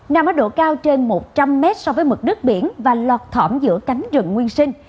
nằm ở độ cao trên một trăm linh m so với mực nước biển và lọt thỏm giữa cánh rừng nguyên sinh